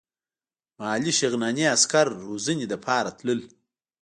محلي شغناني عسکر روزنې لپاره تلل.